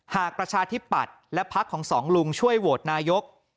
หากประชาธิปัตรราภักดิ์ของสองลุงช่วยโวร์ดนายก